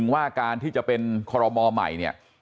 ว่าการที่จะเป็นคอรมอลใหม่เนี่ย